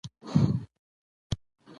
سوله د سوکاله ژوند بنسټ دی